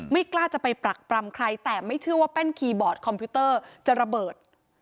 กล้าจะไปปรักปรำใครแต่ไม่เชื่อว่าแป้นคีย์บอร์ดคอมพิวเตอร์จะระเบิด